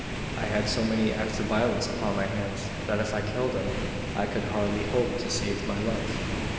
I had so many acts of violence upon my hands, that if I killed him I could hardly hope to save my life.